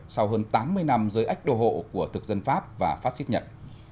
sau hơn tám mươi năm dưới ách đồ hộ của thực dân pháp và pháp xích nhật